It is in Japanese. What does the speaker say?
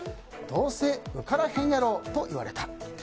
どうせ受からへんやろと言われた。